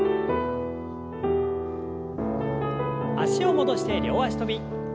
脚を戻して両脚跳び。